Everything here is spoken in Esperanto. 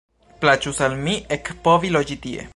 Plaĉus al mi ekpovi loĝi tie.